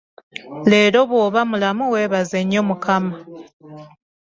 Leero bw'oba mulamu weebaze nnyo Mukama.